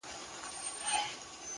مثبت فکر د اندېښنو زور کموي!.